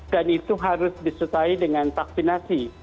dan itu harus disutai dengan vaksinasi